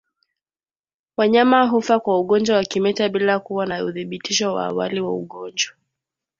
Wanyama hufa kwa ugonjwa wa kimeta bila kuwa na uthibitisho wa awali wa ugonjwa